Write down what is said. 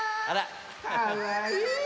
かわいい！